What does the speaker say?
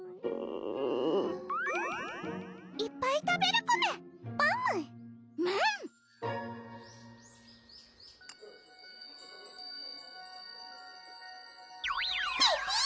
いっぱい食べるコメパムメンピピー！